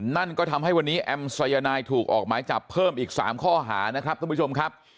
นั่นก็ทำให้วันนี้แอมสายนายถูกออกหมายจับเพิ่มอีก๓ข้อหานะครับท่านผู้ชมครับ